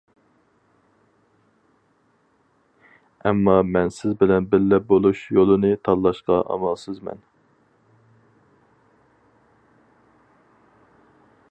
ئەمما مەن سىز بىلەن بىللە بولۇش يولىنى تاللاشقا ئامالسىزمەن.